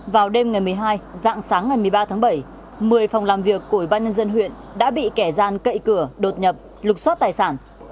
vào đêm ngày một mươi hai dạng sáng ngày một mươi ba tháng bảy một mươi phòng làm việc của ủy ban nhân dân huyện đã bị kẻ gian cậy cửa đột nhập lục xót tài sản